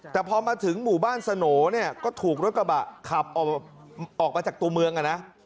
แต่พอมาถึงหมู่บ้านสโหน่เนี่ยก็ถูกรถกระบะขับออกมาจากตัวเมืองอ่ะนะ